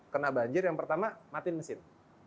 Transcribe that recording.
kena banjir yang pertama matiin mesin